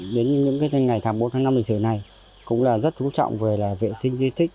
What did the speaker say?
đến những ngày tháng bốn tháng năm lịch sử này cũng là rất chú trọng về vệ sinh di tích